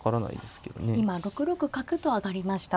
今６六角と上がりました。